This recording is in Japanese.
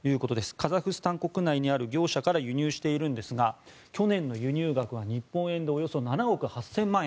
カザフスタン国内にある業者から輸入しているんですが去年の輸入額は日本円でおよそ７億８０００万円